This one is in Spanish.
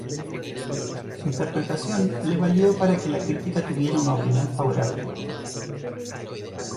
Su interpretación le valió para que la crítica tuviera una opinión favorable.